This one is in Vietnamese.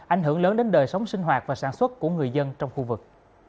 ảnh hưởng lớn đến đời sống sinh hoạt và sản xuất của người dân trong khu vực